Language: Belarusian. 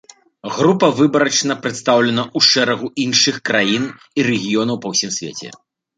Група выбарачна прадстаўлена ў шэрагу іншых краін і рэгіёнаў па ўсім свеце.